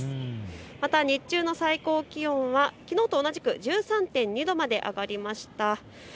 また日中の最高気温はきのうと同じく１３．２度まで上がりました。